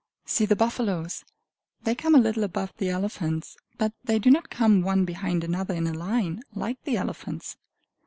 See the buffaloes! They come a little above the elephants. But they do not come one behind another in a line, like the elephants.